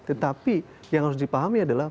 tetapi yang harus dipahami adalah